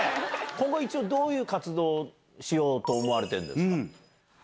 今後、一応、どういう活動しようと思われてるんですか？